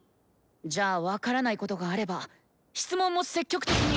じゃあ分からないことがあれば質問も積極的に。